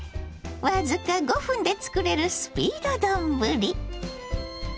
僅か５分で作れるスピード丼。